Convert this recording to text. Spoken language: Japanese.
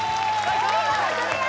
見事クリア！